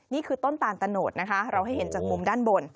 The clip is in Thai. นี่คือต้นตาลตะโนดนะคะเราให้เห็นจากมุมด้านบน